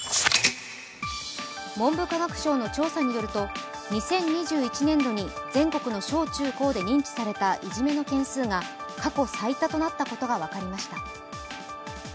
文部科学省の調査によると２０２１年度に全国の小・中・高で認知された認知されたいじめの件数が過去最多となったことが分かりました。